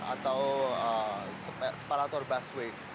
atau separator busway